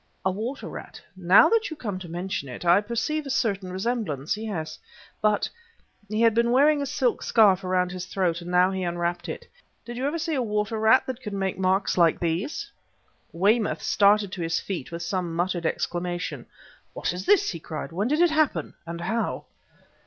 "A water rat? Now that you come to mention it, I perceive a certain resemblance yes. But" he had been wearing a silk scarf about his throat and now he unwrapped it "did you ever see a water rat that could make marks like these?" Weymouth started to his feet with some muttered exclamation. "What is this?" he cried. "When did it happen, and how?"